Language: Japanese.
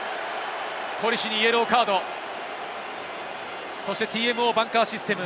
コリシにイエローカード、そして、ＴＭＯバンカーシステム。